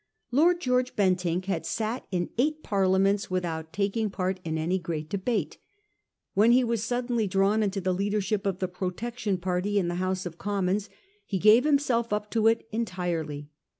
Lord George Bentinck had sat in eight Parliaments without, taking part in any great debate. When he was sud denly drawn into the leadership of the Protection party in the House of Commons, he gave himself up to it entirely.